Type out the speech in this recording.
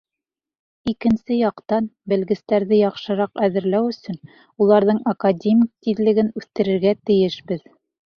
Икенсе яҡтан, белгестәрҙе яҡшыраҡ әҙерләү өсөн уларҙың академик тиҙлеген үҫтерергә тейешбеҙ.